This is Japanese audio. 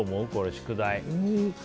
宿題。